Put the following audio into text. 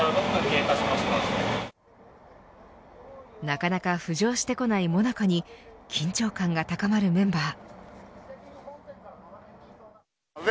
なかなか浮上してこないＭＯＮＡＣＡに緊張感が高まるメンバー。